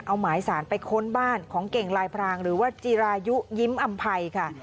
เอาหมายสารไปค้นบ้านของเก่งลายพรางหรือว่าจีรายุยิ้มอำภัยค่ะ